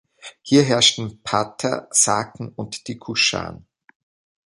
Hier herrschten Parther, Saken und die Kuschan.